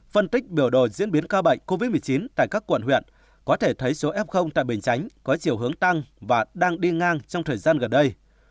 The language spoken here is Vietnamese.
phân tích biểu đồ diễn biến ca bệnh covid một mươi chín tại các quận huyện có thể thấy số f tại bình chánh có chiều hướng tăng và đang đi ngang trong thời gian gần đây